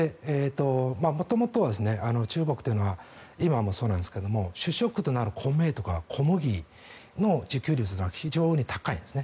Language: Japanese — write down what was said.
元々は中国というのは今もそうなんですが主食となる米とか小麦の自給率が非常に高いんです。